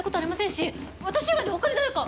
私以外に他に誰か。